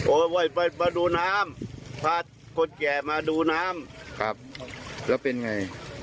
มาดูน้ำพาคนแก่มาดูน้ำครับแล้วเป็นไง